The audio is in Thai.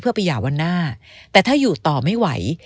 เพื่อไปหย่าวันหน้าแต่ถ้าอยู่ต่อไม่ไหว